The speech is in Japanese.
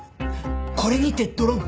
これにてドロン。